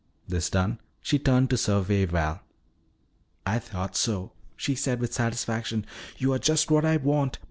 This done, she turned to survey Val. "I thought so," she said with satisfaction. "You are just what I want.